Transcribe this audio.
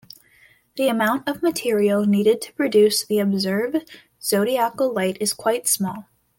The amount of material needed to produce the observed zodiacal light is quite small.